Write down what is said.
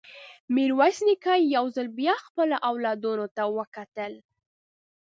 ميرويس نيکه يو ځل بيا خپلو اولادونو ته وکتل.